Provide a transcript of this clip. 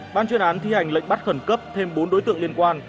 ban chuyên án thi hành lệnh bắt khẩn cấp thêm bốn đối tượng liên quan